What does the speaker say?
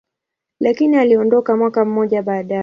lakini aliondoka mwaka mmoja baadaye.